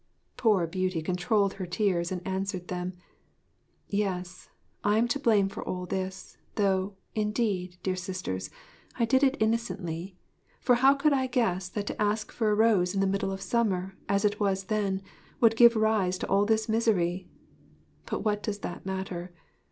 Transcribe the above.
Poor Beauty controlled her tears and answered them: 'Yes, I am to blame for all this, though, indeed, dear sisters, I did it innocently; for how could I guess that to ask for a rose in the middle of summer, as it was then, would give rise to all this misery? But what does that matter?